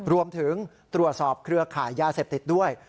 รวมถึงตรวจสอบเครือข่ายยาเสพติดด้วย